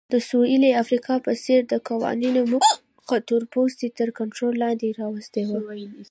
د سویلي افریقا په څېر د قوانینو موخه تورپوستي تر کنټرول لاندې راوستل وو.